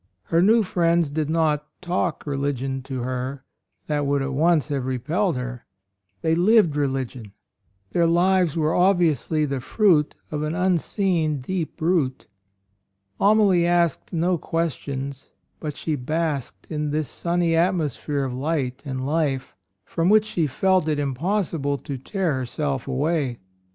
Her new friends did not talk religion to her — that would at once have repelled her, — they lived religion. Their lives were obviously the fruit of an unseen 32 A ROYAL SON deep root. Amalie asked no questions, she but basked in this sunny atmosphere of light and life, from which she felt it impossible to tear herself away.